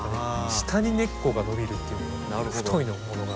下に根っこが伸びるっていう太いものが。